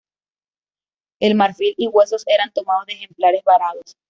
El marfil y huesos eran tomados de ejemplares varados.